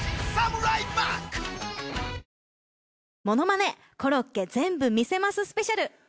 「ものまねコロッケ全部見せますスペシャル！」。